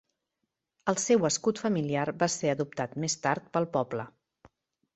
El seu escut familiar va ser adoptat més tard pel poble.